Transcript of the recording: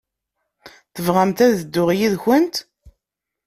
Tebɣamt ad dduɣ yid-kent?